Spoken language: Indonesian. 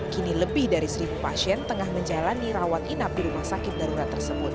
kini lebih dari seribu pasien tengah menjalani rawat inap di rumah sakit darurat tersebut